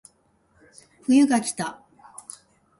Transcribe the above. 冬がきた